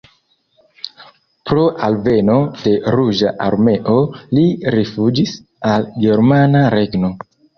Pro alveno de Ruĝa Armeo li rifuĝis al Germana Regno.